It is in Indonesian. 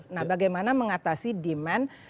nah bagaimana mengatasi demand